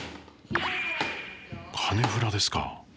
カネフラですか。